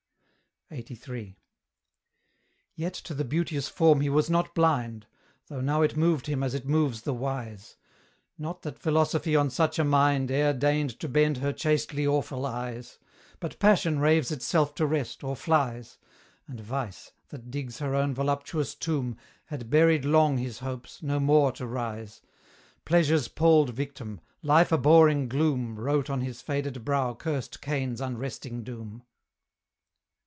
LXXXIII. Yet to the beauteous form he was not blind, Though now it moved him as it moves the wise; Not that Philosophy on such a mind E'er deigned to bend her chastely awful eyes: But Passion raves itself to rest, or flies; And Vice, that digs her own voluptuous tomb, Had buried long his hopes, no more to rise: Pleasure's palled victim! life abhorring gloom Wrote on his faded brow curst Cain's unresting doom.